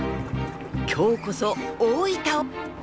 今日こそ「大板」を！